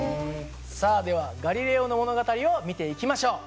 さあではガリレオの物語を見ていきましょう。